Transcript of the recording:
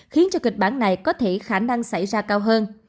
khiến cho kịch bản này có thể được tạo ra